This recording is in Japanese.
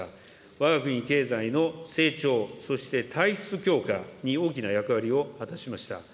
わが国経済の成長、そして体質強化に大きな役割を果たしました。